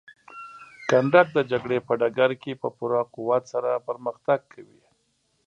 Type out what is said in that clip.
کنډک د جګړې په ډګر کې په پوره قوت سره پرمختګ کوي.